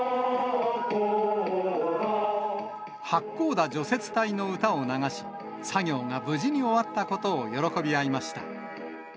八甲田除雪隊の歌を流し、作業が無事に終わったことを喜び合いました。